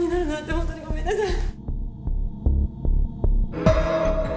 本当にごめんなさい。